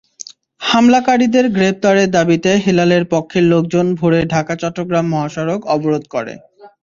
হামলাকারীদের গ্রেপ্তারের দাবিতে হেলালের পক্ষের লোকজন ভোরে ঢাকা-চট্টগ্রাম মহাসড়ক অবরোধ করে।